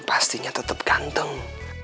pastinya tetep ganteng